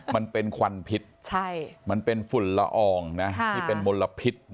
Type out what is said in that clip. มันเป็นควันพิษมันเป็นฝุ่นละอองนะที่เป็นมลพิษ